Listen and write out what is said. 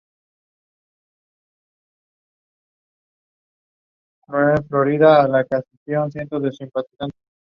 Sus historias son de injusticias, terror o arrepentimiento.